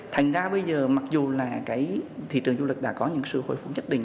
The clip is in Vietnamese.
thành ra bây giờ mặc dù là cái thị trường du lịch đã có những sự hồi phục nhất định